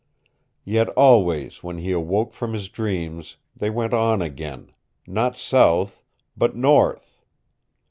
Yet always when he awoke from his dreams they went on again not south but north.